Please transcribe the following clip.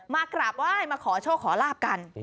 กราบไหว้มาขอโชคขอลาบกัน